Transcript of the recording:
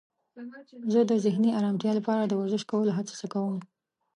زه د ذهني آرامتیا لپاره د ورزش کولو هڅه کوم.